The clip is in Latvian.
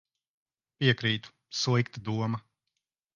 Piekrītu. Slikta doma.